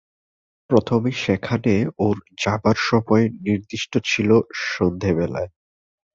প্রথমে সেখানে ওর যাবার সময় নির্দিষ্ট ছিল সন্ধেবেলায়।